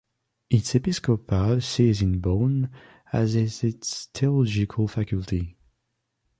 Its episcopal see is in Bonn, as is its theological faculty.